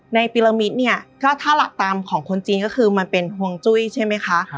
ปิลมิตเนี่ยก็ถ้าหลักตามของคนจีนก็คือมันเป็นห่วงจุ้ยใช่ไหมคะ